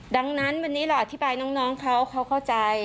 ดังนั้นวันนี้เราอธิบายน้องเขาเขาเข้าใจ